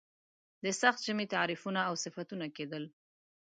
د سخت ژمي تعریفونه او صفتونه کېدل.